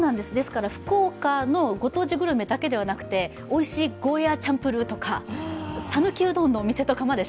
福岡のご当地グルメだけではなくておいしいゴーヤチャンプルーとか讃岐うどんのお店まで